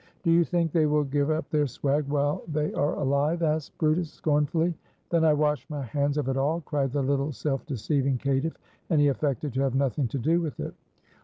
"Do you think they will give up their swag while they are alive?" asked brutus, scornfully. "Then I wash my hands of it all," cried the little self deceiving caitiff; and he affected to have nothing to do with it.